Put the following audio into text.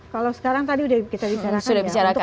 kalau sekarang tadi sudah kita bicarakan ya